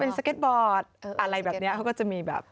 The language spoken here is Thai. เป็นสเก็ตบอร์ดอะไรแบบนี้เขาก็จะมีแบบ